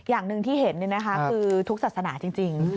อย่างหนึ่งที่เห็นคือทุกศาสนาจริง